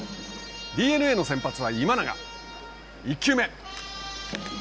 ＤｅＮＡの先発は今永。